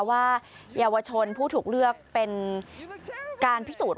ว่าเยาวชนผู้ถูกเลือกเป็นการพิสูจน์